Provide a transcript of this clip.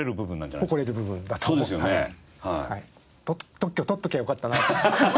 特許取っときゃよかったなって。